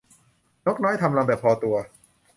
นกน้อยทำรังแต่พอตัว